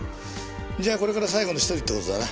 じゃあこれから最後の１人って事だな。